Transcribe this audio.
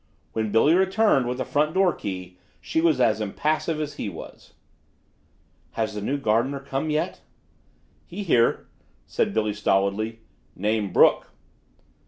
When Billy returned with the front door key she was as impassive as he was. "Has the new gardener come yet?" "He here," said Billy stolidly. "Name Brook."